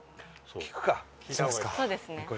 そうですね。